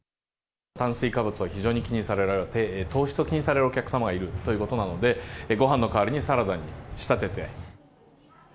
炭水化物を非常に気にされて、糖質を気にされるお客様がいるということなので、ごはんの代わりにサラダに仕立てて。